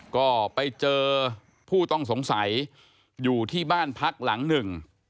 ก็ไปเจอผู้ต้องสงสัยอยู่ที่บ้านพักหลังหนึ่ง